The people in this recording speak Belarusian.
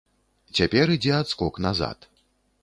Цяпер ідзе адскок назад.